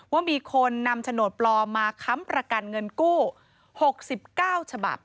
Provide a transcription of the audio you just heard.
ว่ามีคนนำโฉนดปลอมมาค้ำประกันเงินกู้๖๙ฉบับ